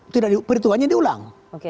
tidak perintuannya diulang